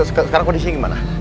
sekarang kondisi gimana